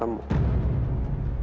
waktu kita ketemu